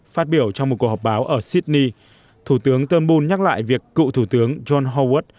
phát biểu trong một cuộc họp báo ở sydney thủ tướng turnbul nhắc lại việc cựu thủ tướng john howd